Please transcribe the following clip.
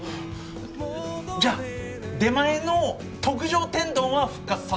じゃあ出前の特上天丼は復活させてくれよ。